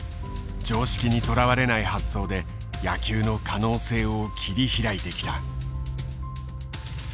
常識にとらわれない発想で野球の可能性を切り開いてきた。